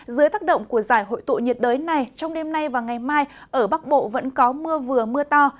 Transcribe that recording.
dưới tác động của giải hội tụ nhiệt đới này trong đêm nay và ngày mai ở bắc bộ vẫn có mưa vừa mưa to